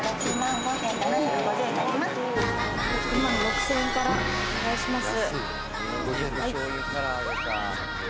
６万６，０００円からお願いします。